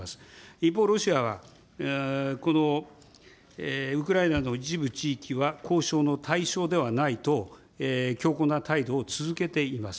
一方、ロシアは、ウクライナの一部地域は交渉の対象ではないと、強硬な態度を続けています。